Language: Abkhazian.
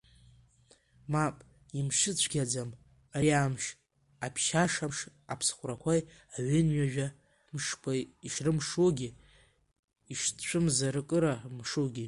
Мап, имшыцәгьаӡам ари амш, аԥшьашамш аԥсхәрақәеи аҩынҩажәа мшқәеи ишрымшугьы, ишцәымзаркыра мшугьы.